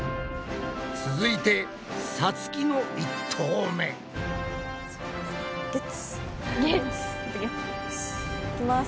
続いてさつきの１投目。いきます。